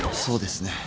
そうですね。